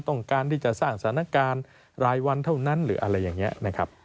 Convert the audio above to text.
ต้องการที่จะสร้างสถานการณ์รายวันเท่านั้นหรืออะไรอย่างนี้นะครับ